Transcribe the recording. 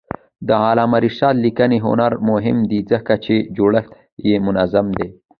د علامه رشاد لیکنی هنر مهم دی ځکه چې جوړښت یې منظم دی.